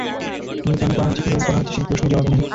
কিন্তু কেন করা হয়েছে, কীভাবে করা হয়েছে, সেই প্রশ্নের জবাব নেই।